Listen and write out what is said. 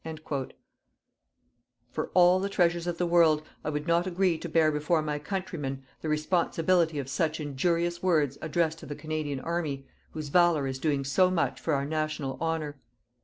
_" For all the treasures of the world, I would not agree to bear before my countrymen the responsibility of such injurious words addressed to the Canadian army whose valour is doing so much for our national honour.